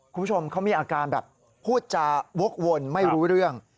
คุณผู้ชมเขามีอาการแบบพูดจาวกวนไม่รู้เรื่อง